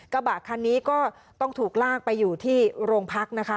กระบะคันนี้ก็ต้องถูกลากไปอยู่ที่โรงพักนะคะ